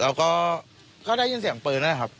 แล้วก็ก็ได้ยินเสียงปืนนะครับ